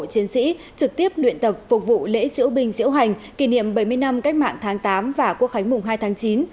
chiến sĩ trực tiếp luyện tập phục vụ lễ diễu bình diễu hành kỷ niệm bảy mươi năm cách mạng tháng tám và quốc khánh mùng hai tháng chín